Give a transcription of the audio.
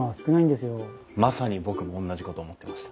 まさに僕もおんなじこと思ってました。